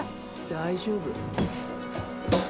大丈夫。